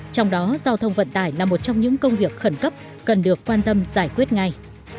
trong đó giao thông vận tải là một trong những công việc khẩn cấp cần được quan tâm giải quyết ngay